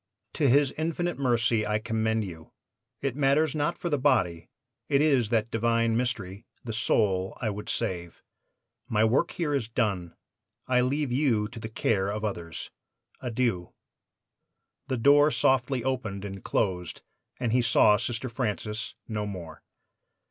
To His infinite mercy I commend you. It matters not for the body; it is that divine mystery, the soul, I would save. My work here is done. I leave you to the care of others. Adieu.' "The door softly opened and closed, and he saw Sister Francis no more.